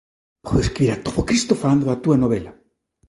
Podo escribir a todo Cristo falando da túa novela.